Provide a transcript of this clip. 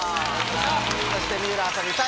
そして水卜麻美さん